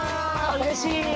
うれしい！